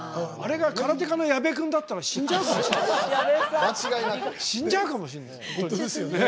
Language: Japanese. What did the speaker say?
あれがカラテカの矢部君だったら死んじゃうかもしれない。